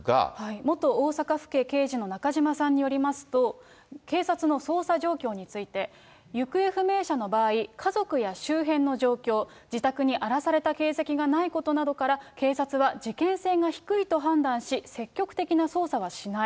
元大阪府警刑事の中島さんによりますと、警察の捜査状況について、行方不明者の場合、家族や周辺の状況、自宅に荒らされた形跡がないことなどから、警察は事件性が低いと判断し、積極的な捜査はしない。